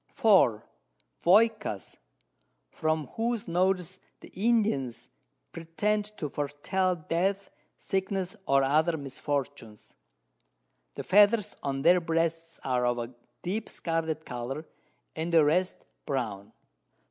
4. Voycas, from whose Notes the Indians pretend to foretel Death, Sickness, or other Misfortunes; the Feathers on their Breasts are of a deep scarlet Colour, and the rest brown.